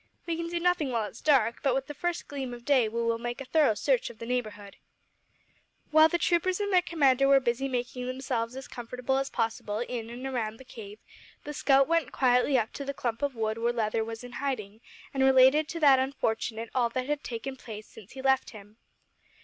We can do nothing while it is dark, but with the first gleam of day we will make a thorough search of the neighbourhood." While the troopers and their commander were busy making themselves as comfortable as possible in and around the cave, the scout went quietly up to the clump of wood where Leather was in hiding, and related to that unfortunate all that had taken place since he left him.